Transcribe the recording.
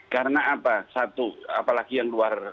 karena apa satu apalagi yang luar